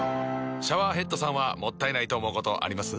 シャワーヘッドさんはもったいないと思うことあります？